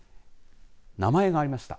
名前がありました。